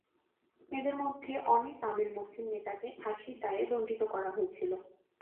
এদের মধ্যে অনেক তামিল মুসলিম নেতাকে ফাঁসির দায়ে দণ্ডিত করা হয়েছিল।